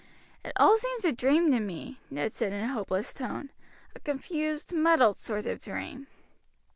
"It all seems a dream to me," Ned said in a hopeless tone, "a confused, muddled sort of dream."